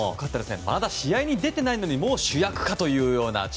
まだ試合に出ていないのにもう主役かもみたいな。